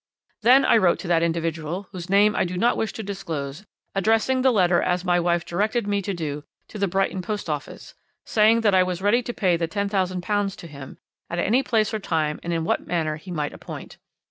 "'"I then wrote to that individual whose name I do not wish to disclose, addressing the letter, as my wife directed me to do, to the Brighton post office, saying that I was ready to pay the £10,000 to him, at any place or time and in what manner he might appoint.